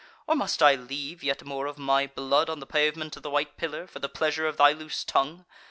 Or must I leave yet more of my blood on the pavement of the White Pillar, for the pleasure of thy loose tongue?